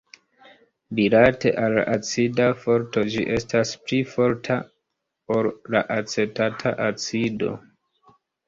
Rilate al acida forto ĝi estas pli forta ol la acetata acido.